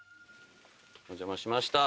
お邪魔しました。